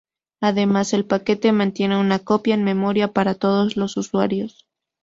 Además, el paquete mantiene una copia en memoria para todos los usuarios.